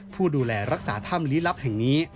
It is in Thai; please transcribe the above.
ผู้ดูแลรักษาถ้ำลี้ลับแห่งนี้